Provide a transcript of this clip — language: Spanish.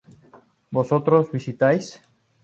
¿vosotros visitáis?